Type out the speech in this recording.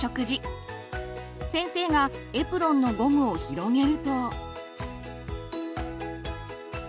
先生がエプロンのゴムを広げると。